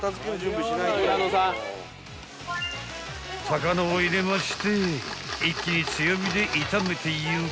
［高菜を入れまして一気に強火で炒めていく］